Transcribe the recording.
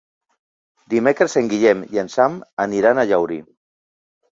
Dimecres en Guillem i en Sam aniran a Llaurí.